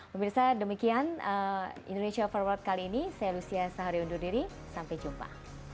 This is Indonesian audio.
pemirsa demikian indonesia forward kali ini saya lucia sahari undur diri sampai jumpa